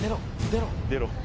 出ろ。